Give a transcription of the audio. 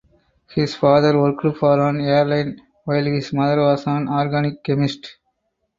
His father worked for an airline while his mother was an organic chemist.